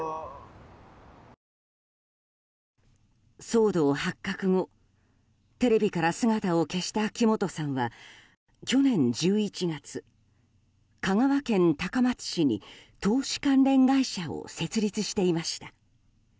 騒動発覚後テレビから姿を消した木本さんは去年１１月、香川県高松市に投資関連会社を設立していました。